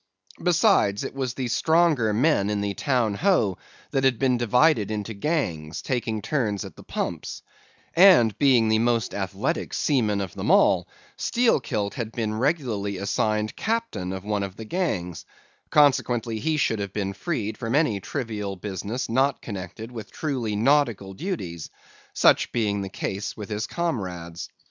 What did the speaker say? Besides, it was the stronger men in the Town Ho that had been divided into gangs, taking turns at the pumps; and being the most athletic seaman of them all, Steelkilt had been regularly assigned captain of one of the gangs; consequently he should have been freed from any trivial business not connected with truly nautical duties, such being the case with his comrades.